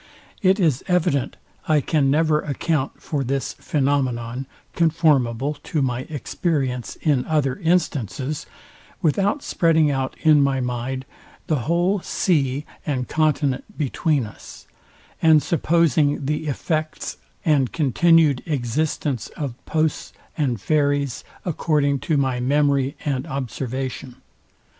It is evident I can never account for this phenomenon, conformable to my experience in other instances, without spreading out in my mind the whole sea and continent between us, and supposing the effects and continued existence of posts and ferries, according to my Memory and observation.